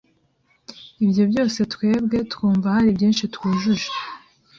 “Ibyo byose twebwe twumva hari byinshi twujuje